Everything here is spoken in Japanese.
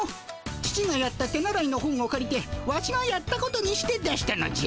父がやった手習いの本をかりてワシがやったことにして出したのじゃ。